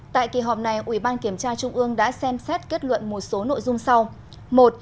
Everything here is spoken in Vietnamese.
tại kỳ họp này ủy ban kiểm tra trung ương đã xem xét kết luận một số nội dung sau